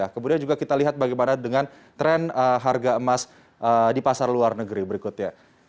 kemudian juga kita lihat bagaimana dengan tren harga emas di pasar luar negeri berikutnya